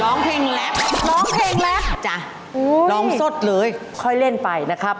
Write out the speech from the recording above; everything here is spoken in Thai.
ร้องเพลงแหลกจ้ะร้องสดเลยค่อยเล่นไปนะครับ